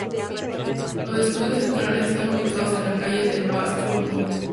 Los estudios centrales están ubicados en la calle de Pasteur No.